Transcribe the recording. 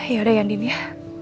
yaudah ya din ya